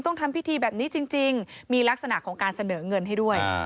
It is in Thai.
ต้องทำพิธีแบบนี้จริงมีลักษณะของการเสนอเงินให้ด้วย